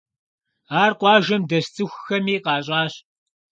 Ар къуажэм дэс цӀыхухэми къащӀащ.